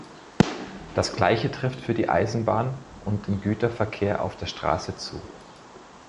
Das gleiche trifft für die Eisenbahn und den Güterverkehr auf der Straße zu.